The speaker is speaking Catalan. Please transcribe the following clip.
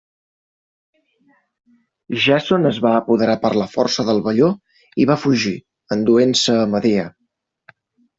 Jàson es va apoderar per la força del velló i va fugir, enduent-se a Medea.